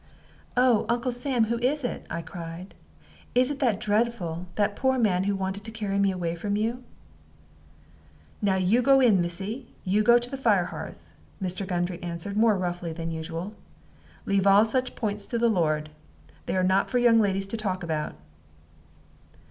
"Oh, Uncle Sam, who is it?" I cried. "Is it that dreadful that poor man who wanted to carry me away from you?" "Now you go in, missy; you go to the fire hearth," Mr. Gundry answered, more roughly than usual. "Leave you all such points to the Lord. They are not for young ladies to talk about."